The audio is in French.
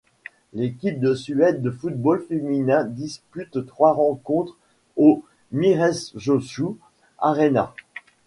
L'équipe de Suède de football féminin dispute trois rencontres au Myresjöhus Arena.